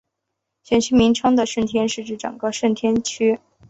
选区名称的顺天是指整个顺天邨。